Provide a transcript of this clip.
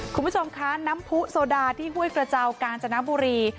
คุณผู้ชมคะน้ำผู้โซดาที่ห้วยกระเจ้ากาญจนบุรี